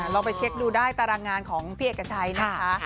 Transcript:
ลองไปเช็คดูได้ตารางงานของพี่เอกชัยนะคะ